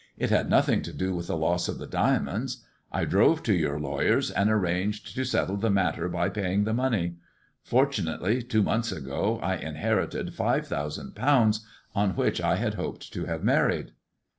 It had nothing to do with the loss of the diamonds. I drove to your lawyers and arranged to settle the matter by paying the money. Fortunately, two months ago I in herited five thousand pounds, on which I had hoped to have married."